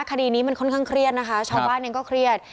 คดีนี้มันค่อนข้างเครียดนะคะชาวบ้านเองก็เครียด